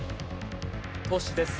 都市です。